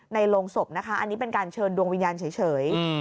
โรงศพนะคะอันนี้เป็นการเชิญดวงวิญญาณเฉย